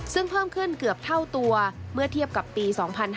ซึ่งเพิ่มขึ้นเกือบเท่าตัวเมื่อเทียบกับปี๒๕๕๙